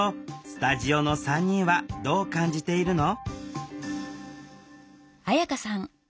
スタジオの３人はどう感じているの？